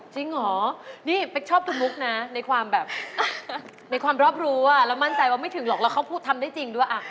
จริงเหรอนี่เป๊กชอบคุณมุกนะในความแบบในความรอบรู้แล้วมั่นใจว่าไม่ถึงหรอกแล้วเขาพูดทำได้จริงด้วย